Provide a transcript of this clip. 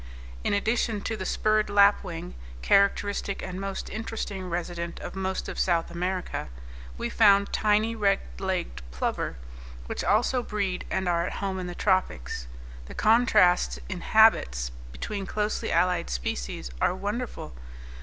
In addition to the spurred lapwing, characteristic and most interesting resident of most of South America, we found tiny red legged plover which also breed and are at home in the tropics. The contrasts in habits between closely allied species are wonderful.